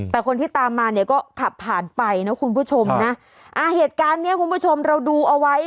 แต่คนที่ตามมาเนี่ยก็ขับผ่านไปนะคุณผู้ชมนะอ่าเหตุการณ์เนี้ยคุณผู้ชมเราดูเอาไว้